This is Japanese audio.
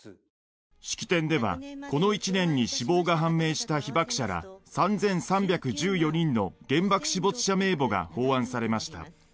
式典では、この１年に死亡が判明した被爆者ら３３１４人の原爆死没者名簿が奉安されました。